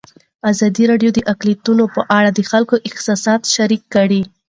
ازادي راډیو د اقلیتونه په اړه د خلکو احساسات شریک کړي.